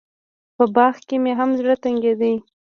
په باغ کښې مې هم زړه تنګېده.